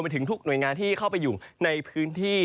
ถึงทุกหน่วยงานที่เข้าไปอยู่ในพื้นที่